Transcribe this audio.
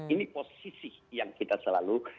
ini posisi yang kita selalu